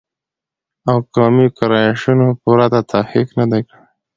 او قومي ګرایشونو پرته تحقیق نه دی کړی